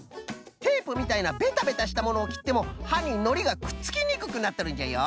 テープみたいなベタベタしたものをきってもはにのりがくっつきにくくなっとるんじゃよ。